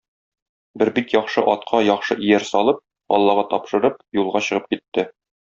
Бер бик яхшы атка яхшы ияр салып, аллага тапшырып, юлга чыгып китте.